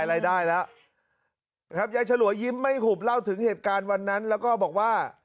ยายฉลวยยิ้มไม่หุบเล่าถึงเหตุการณ์วันนั้นแล้วก็บอกว่า